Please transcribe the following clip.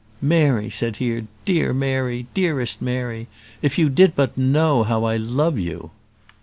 "Mary," said he; "dear Mary! dearest Mary! if you did but know how I love you!"